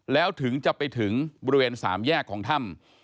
แล้วถึงจะไปถึงบริเวณสามแยกของถ้ำ